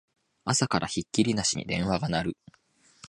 朝からひっきりなしに電話が鳴る